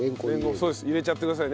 そうです入れちゃってください。